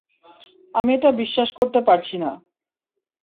আমি এটা বিশ্বাস করতে পারছি না।